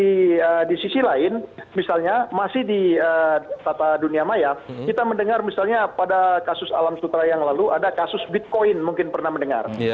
tapi di sisi lain misalnya masih di tata dunia maya kita mendengar misalnya pada kasus alam sutra yang lalu ada kasus bitcoin mungkin pernah mendengar